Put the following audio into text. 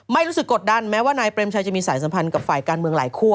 ไม่รู้สึกกดดันแม้ว่านายเปรมชัยจะมีสายสัมพันธ์กับฝ่ายการเมืองหลายคั่ว